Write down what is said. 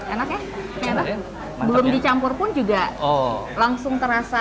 enaknya belum dicampur pun juga